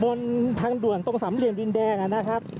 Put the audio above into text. บนทางด่วนตรงสามเหลี่ยมดินแดงนะครับ